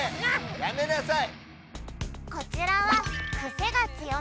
やめなさい！